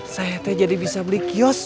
saya teh jadi bisa beli kios